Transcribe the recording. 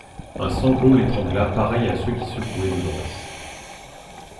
Un sanglot l'étrangla pareil à ceux qui secouaient Dolorès.